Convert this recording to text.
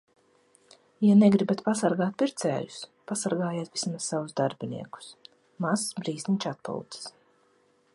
Ja negribat pasargāt pircējus, pasargājiet vismaz savus darbiniekus. Mazs brīsniņš atpūtas.